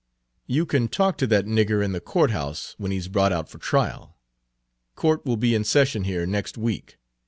"You can talk to that nigger in the courthouse, when he 's brought out for trial. Court will be in session here next week.